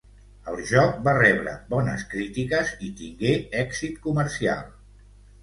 El joc va rebre bones crítiques i tingué èxit comercial.